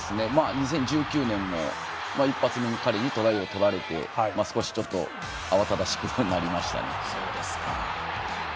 ２０１９年も一発目に彼にトライを取られて少し慌しくなりましたね。